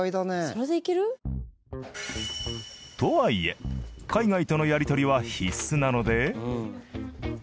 それでいける？とはいえ海外とのやり取りは必須なので。